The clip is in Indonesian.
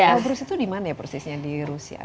elbrus itu dimana ya prosesnya di rusia